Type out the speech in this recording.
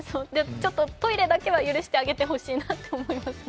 トイレだけは許してあげてほしいなって思いますね。